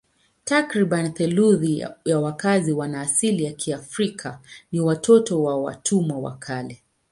Takriban theluthi ya wakazi wana asili ya Kiafrika ni watoto wa watumwa wa kale.